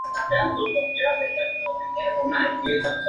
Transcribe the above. Son líneas que unen puntos de la misma altitud.